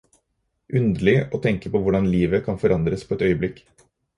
Underlig å tenke på hvordan livet kan forandres på et øyeblikk.